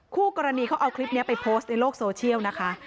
คู่กรณีเขาเอาคลิปนี้ไปโพสต์ในโลกโซเชียลนะคะ